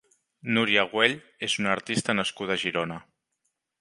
Núria Güell és una artista nascuda a Girona.